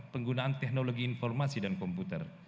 penggunaan teknologi informasi dan komputer